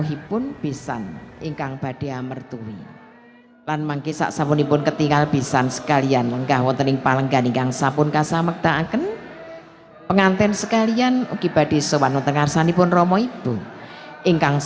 ini saya berterima kasih kepada pak jeng ibu pak jeng ibu pengantin sekalian